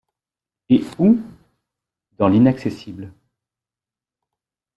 Et où? dans l’inaccessible.